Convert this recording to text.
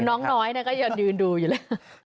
ดูน้องน้อยก็ยันยืนดูอยู่แล้ว